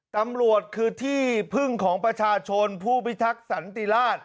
ตำรวจคือที่พึ่งของประชาชนผู้พิทักษ์สันติราช